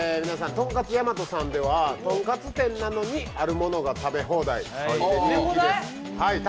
とんかつやまとさんではトンカツ店なのにあるものが食べ放題です。